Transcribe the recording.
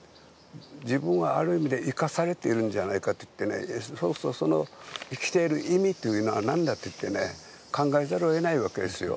自分はある意味で生かされているんじゃないかといってそうすると、その生きている意味は何だといって考えざるをえないわけですよ。